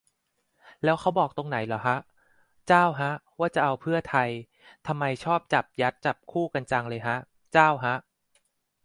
แล้วเขาบอกตรงไหนเหรอฮะ เจ้าฮะ ว่าจะเอาเพื่อไทย ทำไมชอบจับยัดจับคู่กันจังเลยฮะ เจ้าฮะ